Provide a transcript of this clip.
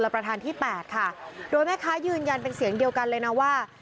ประธานที่แปดค่ะโดยแม่ค้ายืนยันเป็นเสียงเดียวกันเลยนะว่า